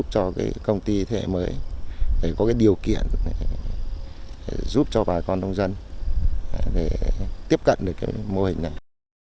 cho công ty thế hệ mới để có điều kiện giúp cho bà con nông dân để tiếp cận được mô hình này